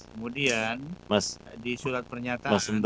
kemudian di surat pernyataan